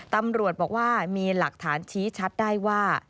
ตำรวจบอกว่ามีหลักฐานชี้ชัดได้ว่า